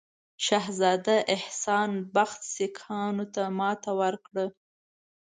شهزاده احسان بخت سیکهانو ته ماته ورکړه.